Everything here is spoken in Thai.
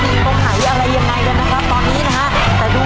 เร็วเร็วเร็วเร็วเร็วเร็วเร็วเร็วเร็วเร็ว